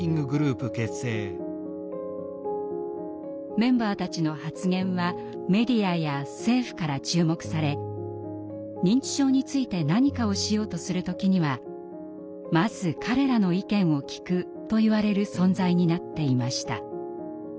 メンバーたちの発言はメディアや政府から注目され認知症について何かをしようとする時にはまず彼らの意見を聴くといわれる存在になっていました。